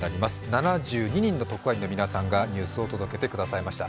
７２人の特派員の皆さんがニュースを届けてくださいました。